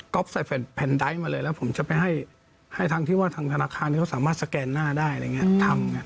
ใส่แผ่นไดท์มาเลยแล้วผมจะไปให้ทางที่ว่าทางธนาคารเขาสามารถสแกนหน้าได้อะไรอย่างนี้ทำไง